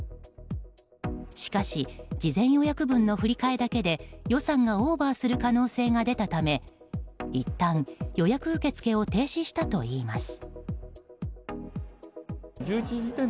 しかし事前予約分の振り替えだけで予算がオーバーする可能性が出たためいったん、予約受け付けを停止したといいます。